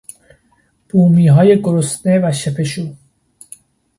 بومیهای گرسنه و شپشو